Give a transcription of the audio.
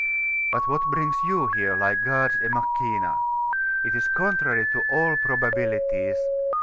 But what brings you here, like Gods e Machina? It is contrary to all probabilities.